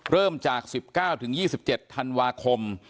เริ่มจาก๑๙๒๗ธันวาคม